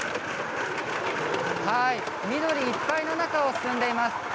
緑いっぱいの中を進んでいます。